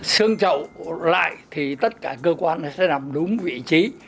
xương trậu lại thì tất cả cơ quan nó sẽ nằm đúng vị trí